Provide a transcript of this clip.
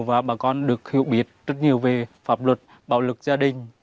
và bà con được hiểu biết rất nhiều về pháp luật bạo lực gia đình